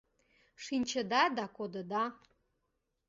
Шинчыда да кодыда.